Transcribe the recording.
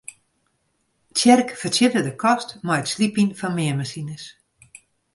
Tsjerk fertsjinne de kost mei it slypjen fan meanmasines.